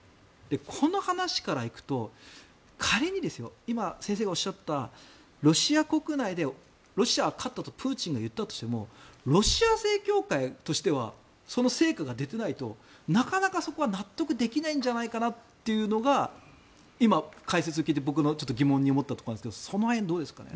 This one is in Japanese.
この話からいくと仮に今、先生がおっしゃったロシア国内でロシアが勝ったとプーチンが言ったとしてもロシア正教会としてはその成果が出ていないとなかなかそこは納得できないんじゃないかなっていうのが今、解説を聞いて僕が疑問に思ったんですがその辺どうですかね。